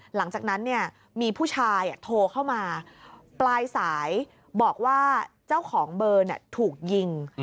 หลังจากนั้นมีผู้ชายโทรเข้ามาปลายสายบอกว่าเจ้าของเบอร์ถูกยิง